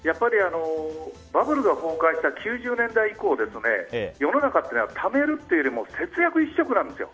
バブルが崩壊した９０年代以降世の中というのはためるというより節約一色なんですよ。